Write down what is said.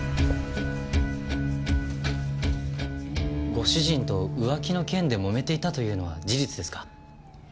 ご主人と浮気の件でもめていたというのは事実ですか？